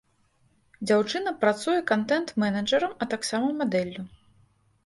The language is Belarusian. Дзяўчына працуе кантэнт-менеджарам, а таксама мадэллю.